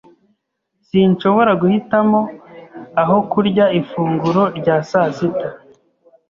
Sinshobora guhitamo aho kurya ifunguro rya sasita.